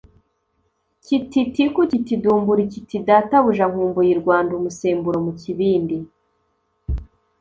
Kiti tiku kiti dumburi kiti databuja nkumbuye i Rwanda-Umusemburo mu kibindi.